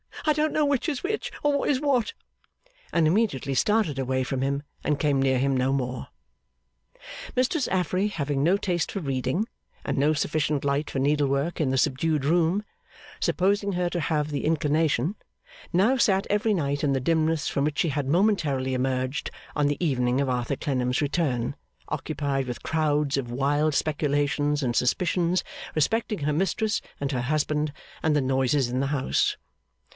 I don't know which is which, or what is what!' and immediately started away from him, and came near him no more. Mistress Affery having no taste for reading, and no sufficient light for needlework in the subdued room, supposing her to have the inclination, now sat every night in the dimness from which she had momentarily emerged on the evening of Arthur Clennam's return, occupied with crowds of wild speculations and suspicions respecting her mistress and her husband and the noises in the house.